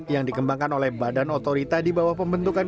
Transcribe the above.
yang dikembangkan oleh badan otorita di bawah pembentukan